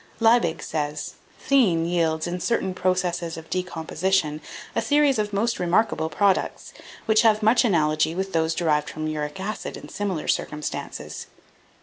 Liebig says, "Theine yields, in certain processes of decomposition, a series of most remarkable products, which have much analogy with those derived from uric acid in similar circumstances.